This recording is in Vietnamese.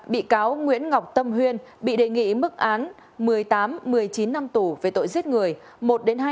bị cáo nguyễn ngọc tâm huyên bị đề nghị mức án một mươi tám một mươi chín năm tù về tội giết người